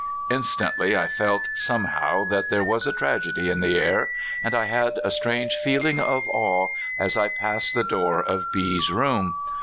Instantly I felt somehow that there was a tragedy in the air, and I had a strange feeling of awe as I passed the door of B 's room.